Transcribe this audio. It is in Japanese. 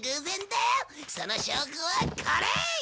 その証拠はこれ！